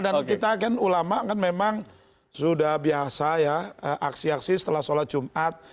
dan kita kan ulama kan memang sudah biasa ya aksi aksi setelah sholat jumat